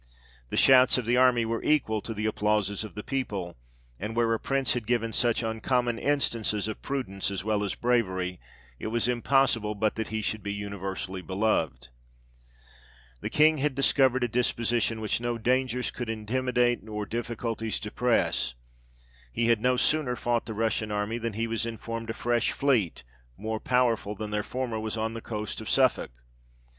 The shouts of the army were equal to the applauses of the people ; and where a Prince had given such uncommon instances of prudence as well as bravery, it was impossible but that he should be universally beloved. The King had discovered a disposition which no 22 THE REIGN OF GEORGE VI. dangers could intimidate or difficulties depress. He had no sooner fought the Russian army, than he was in formed a fresh fleet, more powerful than their former, was on the coast of Suffolk.